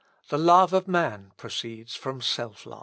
The love of man proceeds from self love."